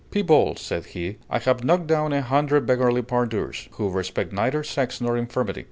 "People," said he, "I have knocked down a hundred beggarly pandours, who respect neither sex nor infirmity.